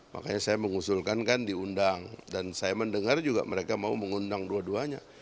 makanya saya mengusulkan kan diundang dan saya mendengar juga mereka mau mengundang dua duanya